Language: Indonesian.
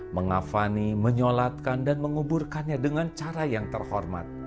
mengafani menyolatkan dan menguburkannya dengan cara yang terhormat